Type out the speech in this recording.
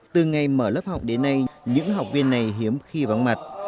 từ ngày mở lớp học đến nay những học viên này hiếm khi vắng mặt